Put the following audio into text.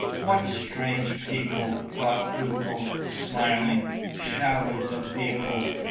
"What strange people!" thought Duco, smiling. "Shadows of people!...